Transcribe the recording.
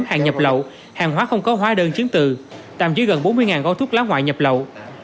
hàng nhập lậu hàng hóa không có hóa đơn chiếm tự tạm dưới gần bốn mươi gói thuốc lá ngoại nhập lậu